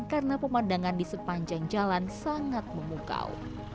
karena pemandangan di sepanjang jalan sangat memukau